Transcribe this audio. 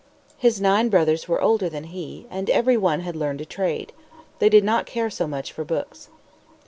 His nine brothers were older than he, and every one had learned a trade. They did not care so much for books.